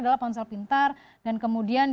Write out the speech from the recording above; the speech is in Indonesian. adalah ponsel pintar dan kemudian